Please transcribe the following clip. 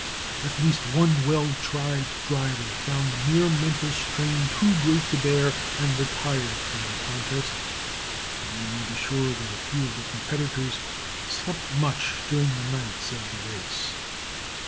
At least one well tried driver found the mere mental strain too great to bear, and retired from the contest; and we may be sure that few of the competitors slept much during the nights of the race.